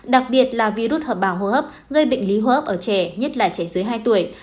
đặc biệt là virus hợp bào hô hấp gây bệnh lý hô hấp ở trẻ nhất là trẻ dưới hai tuổi